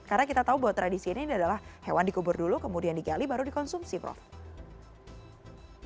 karena kita tahu bahwa tradisi ini adalah hewan dikubur dulu kemudian digali baru dikonsumsi prof